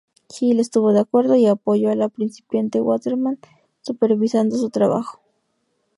Gill estuvo de acuerdo y apoyó a la principiante Waterman supervisando su trabajo.